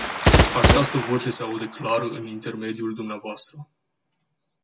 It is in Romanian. Această voce se aude clar prin intermediul dvs.